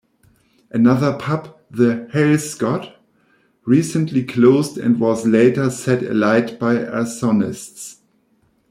Another pub, "The Harlescott", recently closed and was later set alight by arsonists.